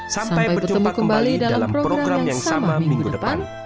sampai berjumpa kembali dalam program yang sama minggu depan